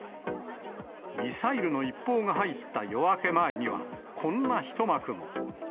ミサイルの一報が入った夜明け前には、こんな一幕も。